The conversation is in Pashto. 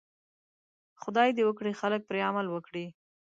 خدای دې وکړي خلک پرې عمل وکړي.